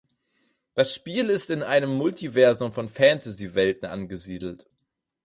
Das Spiel ist in einem Multiversum von Fantasy-Welten angesiedelt.